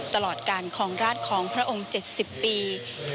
ตลอดการครองราชของพระองค์๗๐ปี